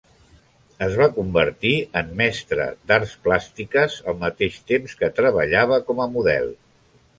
Es va convertir en mestra d'arts plàstiques al mateix temps que treballava com a model.